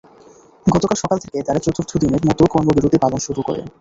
গতকাল সকাল থেকে তারা চতুর্থ দিনের মতো কর্মবিরতি পালন শুরু করে।